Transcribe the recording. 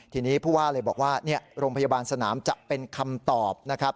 ทีนี้ผู้ว่าเลยบอกว่าโรงพยาบาลสนามจะเป็นคำตอบนะครับ